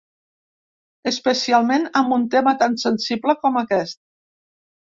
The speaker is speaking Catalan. Especialment, amb un tema tan sensible com aquest.